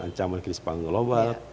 ancam oleh krisis panggung global